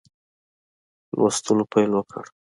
لوستلو پیل وکړ.